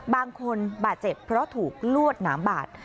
บางคนบาดเจ็บเพราะถูกลวดหนามบาด